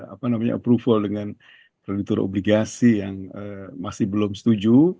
apa namanya approval dengan kreditur obligasi yang masih belum setuju